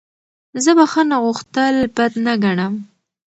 زه بخښنه غوښتل بد نه ګڼم.